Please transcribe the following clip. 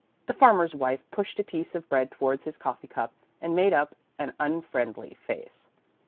The farmer's wife pushed a piece of bread towards his coffee cup and made up an unfriendly face.